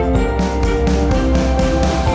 mười dụng tấn khai